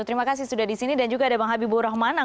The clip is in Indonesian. terima kasih sudah di sini dan juga ada bang habibur rahman